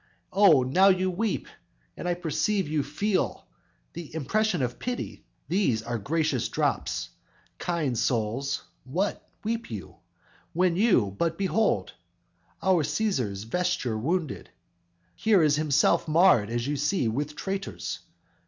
O, now you weep; and I perceive you feel The impression of pity; these are gracious drops. Kind souls, what, weep you, when you but behold Our Cæsar's vesture wounded? Look you here, Here is himself marred, as you see, with traitors!